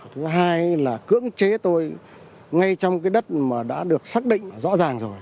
thứ hai là cưỡng chế tôi ngay trong cái đất mà đã được xác định rõ ràng rồi